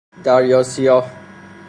دریا سیاه